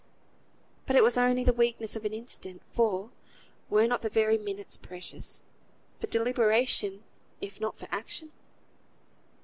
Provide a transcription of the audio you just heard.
But it was only the weakness of an instant; for were not the very minutes precious, for deliberation if not for action?